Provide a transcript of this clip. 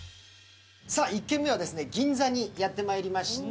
１軒目は銀座にやってまいりました。